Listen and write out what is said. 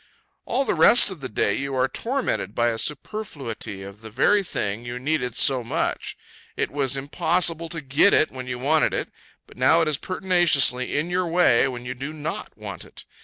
All the rest of the day you are tormented by a superfluity of the very thing you needed so much. It was impossible to get it when you wanted it; but now it is pertinaciously in your way when you do not want it.